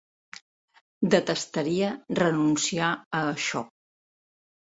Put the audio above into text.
Detestaria renunciar a això.